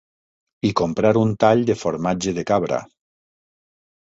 ...i comprar un tall de formatge de cabra